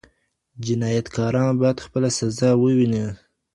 جنایتکاران باید خپله سزا وویني.